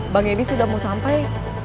bang edi sudah mau sampai